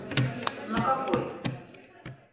На какой?